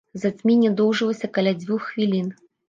Зацьменне доўжылася каля дзвюх хвілін.